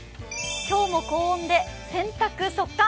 今日も高温で洗濯速乾。